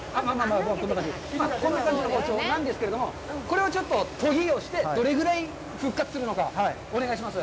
こんな感じの包丁なんですけれども、これをちょっと研ぎをしてどれぐらい復活するのか、お願いします。